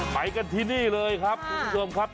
ไปกันที่นี่เลยครับคุณผู้ชมครับ